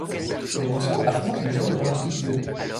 Les lionceaux affrontent les jeunes de l'Olympique lyonnais.